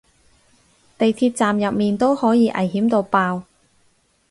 地鐵站入面都可以危險到爆